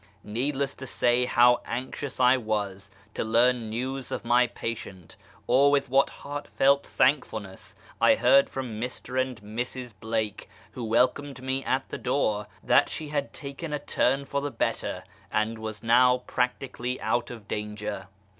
Needless to say liow anxious I was to learn news of my patient, or with what heartfelt tliankfulncss 1 heard from Mr. and Mrs. Blake, who welcomed me at the door, that she had taken a turn for the better, and was now practically out of danger.